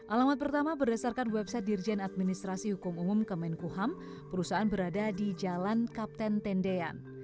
alamat pertama berdasarkan website dirjen administrasi hukum umum kemenkuham perusahaan berada di jalan kapten tendean